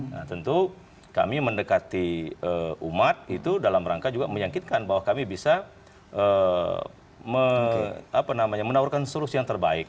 nah tentu kami mendekati umat itu dalam rangka juga menyakitkan bahwa kami bisa menawarkan solusi yang terbaik